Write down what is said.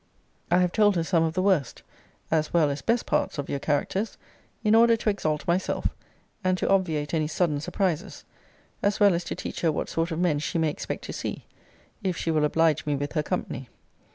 I have told her some of the worst, as well as best parts of your characters, in order to exalt myself, and to obviate any sudden surprizes, as well as to teach her what sort of men she may expect to see, if she will oblige me with her company.